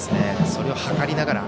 それを図りながら。